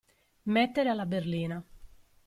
Mettere alla berlina.